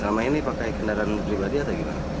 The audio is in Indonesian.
selama ini pakai kendaraan pribadi atau gimana